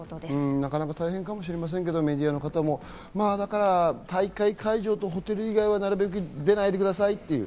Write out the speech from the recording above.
なかなか大変かもしれませんけどメディアの方も大会会場とホテル以外はなるべく出ないでくださいと。